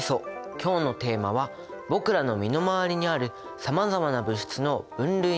今日のテーマは僕らの身の回りにあるさまざまな物質の分類について。